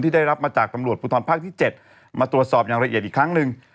ได้รับมาจากตำรวจภูทรภาคที่๗มาตรวจสอบอย่างละเอียดอีกครั้งหนึ่ง